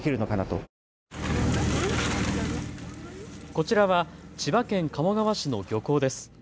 こちらは千葉県鴨川市の漁港です。